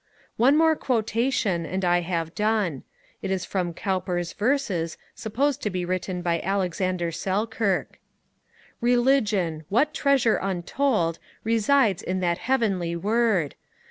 One more quotation, and I have done. It is from Cowper's Verses supposed to be written by Alexander Selkirk: Religion! what treasure untold Resides in that heavenly word!